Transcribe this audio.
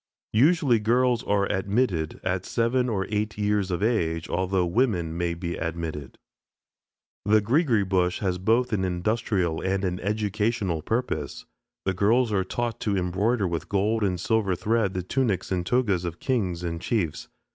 Usually girls are admitted at seven or eight years of age, although women may be admitted. The "Greegree Bush" has both an industrial and an educational purpose. The girls are taught to embroider with gold and silver thread the tunics and togas of kings and chiefs.